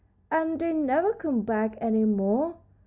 "And they never come back any more!"